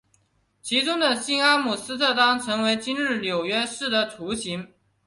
其中的新阿姆斯特丹成为今日纽约市的雏形。